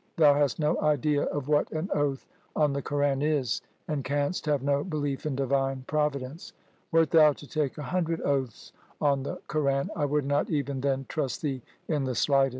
Thou hast no idea of what an oath on the Quran is, and canst have no belief in Divine Providence. Wert thou to take a hundred oaths on the Quran, I would not even then trust thee in the slightest.